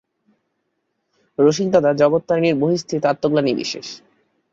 রসিকদাদা জগত্তারিণীর বহিঃস্থিত আত্মগ্লানিবিশেষ।